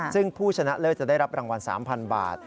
ซึ่งผู้ชนะเลิศจะได้รับรางวัล๓๐๐บาท